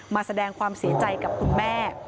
มาแสดงความเสียใจกับคุณแม่